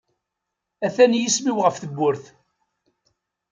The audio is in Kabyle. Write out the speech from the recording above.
Atan yisem-iw ɣef tewwurt.